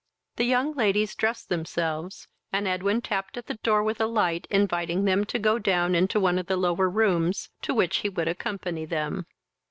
The young ladies dressed themselves, and Edwin tapped at the door with a light, inviting them to go down into one of the lower rooms, to which he would accompany them.